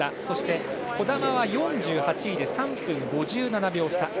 そして、児玉は４８位で３分５７秒差。